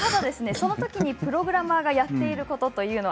そのときにプログラマーがやっていることは。